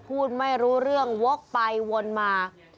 พูดไม่รู้เรื่องวกไปวนมา